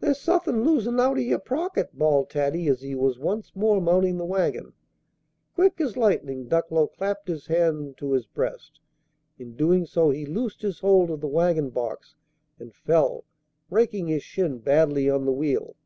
"There's suthin' losin' out o' yer pocket!" bawled Taddy, as he was once more mounting the wagon. Quick as lightning, Ducklow clapped his hand to his breast. In doing so he loosed his hold of the wagon box and fell, raking his shin badly on the wheel.